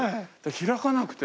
開かなくて。